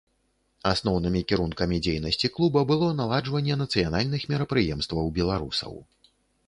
Асноўнымі кірункамі дзейнасці клуба было наладжванне нацыянальных мерапрыемстваў беларусаў.